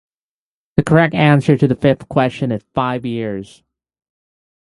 The correct answer to the fifth question is Five years.